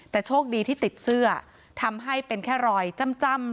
แต่โชคดีที่ติดเสื้อทำให้เป็นแค่รอยจ้ำ